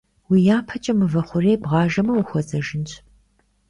Уи япэкӀэ мывэ хъурей бгъажэмэ ухуэзэжынщ.